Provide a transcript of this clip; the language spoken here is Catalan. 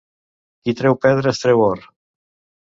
Qui treu pedres, treu or.